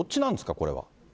これは。